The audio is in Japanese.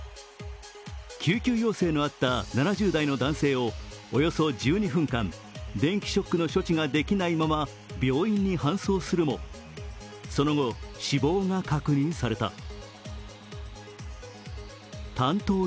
救急要請のあった７０代の男性をおよそ１２分間電気ショックの処置ができないまま病院に搬送するも、その後、死亡が確認された。